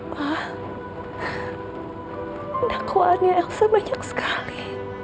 pak enak wani elsa banyak sekali